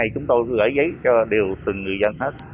chúng tôi gửi giấy cho đều từng người dân hết